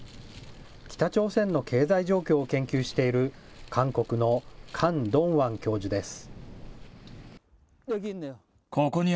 北朝鮮の経済状況を研究している韓国のカン・ドンワン教授です。